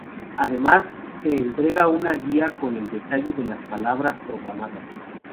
Además, se entrega una guía con el detalle de las paradas programadas.